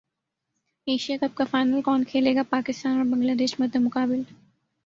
Asia cup کا final کون کھیلے گا پاکستان اور بنگلہ دیش مدمقابل